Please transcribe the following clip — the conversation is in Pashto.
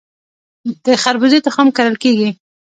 د خربوزې تخم کرل کیږي؟